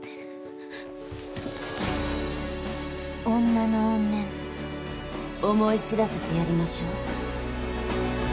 女の怨念思い知らせてやりましょう。